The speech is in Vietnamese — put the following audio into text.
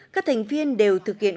các thành viên đều thực hiện